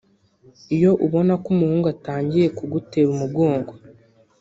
Iyo ubona ko umuhungu atangiye kugutera umugongo